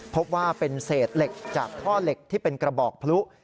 พบว่าเป็นเศษเหล็กจากท่อเหล็กที่เป็นกระบอกพลุ